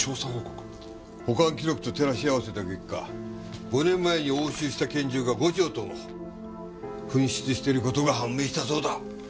保管記録と照らし合わせた結果５年前に押収した拳銃が５丁とも紛失している事が判明したそうだ。